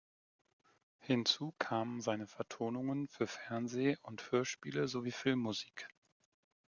Hinzu kamen seine Vertonungen für Fernseh- und Hörspiele, sowie Filmmusik.